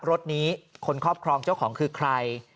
รถนี้คนครอบครองเจ้าของคือใคร